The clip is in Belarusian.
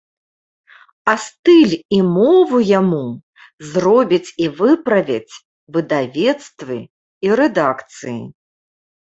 А стыль і мову яму зробяць і выправяць выдавецтвы і рэдакцыі.